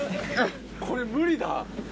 これ無理だ。